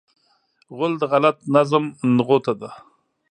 غول د غلط نظم نغوته ده.